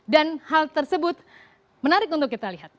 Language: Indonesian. dan hal tersebut menarik untuk kita lihat